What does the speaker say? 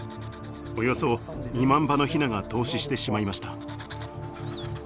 およそ２万羽のヒナが凍死してしまいました。